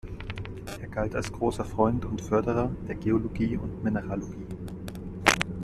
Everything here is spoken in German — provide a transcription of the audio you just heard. Er galt als großer Freund und Förderer der Geologie und Mineralogie.